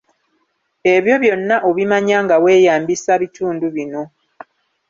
Ebyo byonna obimanya nga weeyambisa bitundu bino.